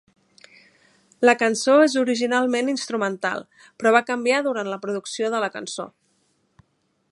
La cançó és originalment instrumental, però va canviar durant la producció de la cançó.